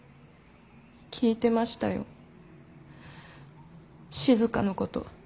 聞いてましたよ静のこと。